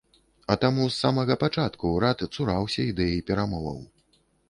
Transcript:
А таму з самага пачатку ўрад цураўся ідэі перамоваў.